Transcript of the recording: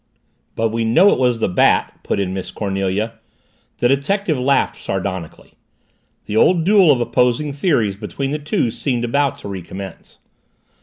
"But we know it was the Bat," put in Miss Cornelia. The detective laughed sardonically. The old duel of opposing theories between the two seemed about to recommence.